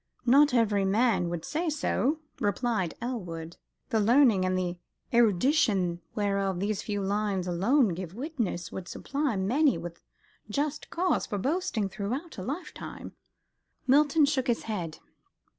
"Not every man would say so," replied Elwood, "the learning and erudition whereof these few lines alone give witness, would supply many with just cause for boasting throughout a lifetime." Milton shook his head.